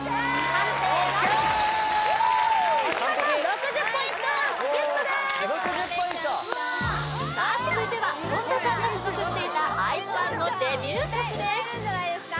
完璧６０ポイントさあ続いては本田さんが所属していたＩＺ＊ＯＮＥのデビュー曲です歌えるんじゃないですか？